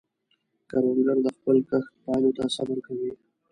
کروندګر د خپل کښت پایلو ته صبر کوي